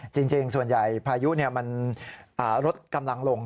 จริงส่วนใหญ่พายุมันลดกำลังลง